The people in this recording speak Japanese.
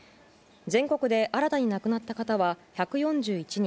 全国で新たに亡くなった方は１４１人。